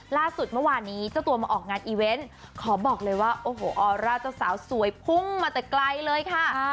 ล่าสุดเมื่อวานนี้เจ้าตัวมาออกงานอีเวนต์ขอบอกเลยว่าโอ้โหออร่าเจ้าสาวสวยพุ่งมาแต่ไกลเลยค่ะ